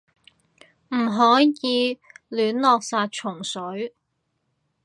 唔可以亂落殺蟲水